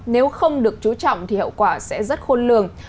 nếu không được chú trọng thì hậu quả sẽ rất khôn lường